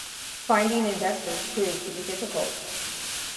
Finding investors proved to be difficult.